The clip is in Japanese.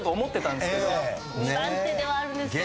２番手ではあるんですけどね。